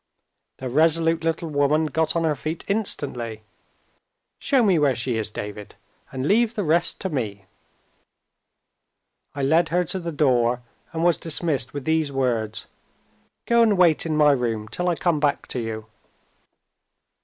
The resolute little woman got on her feet instantly. "Show me where she is, David and leave the rest to me." I led her to the door, and was dismissed with these words "Go and wait in my room till I come back to you."